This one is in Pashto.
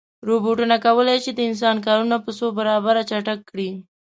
روبوټونه کولی شي د انسان کارونه په څو برابره چټک کړي.